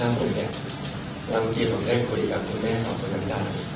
ท่านคุณเนี่ยหลังจากที่ผมได้คุยกับคุณแม่ของคุณน้ำดาว